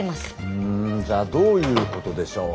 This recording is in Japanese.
うんじゃあどういうことでしょう。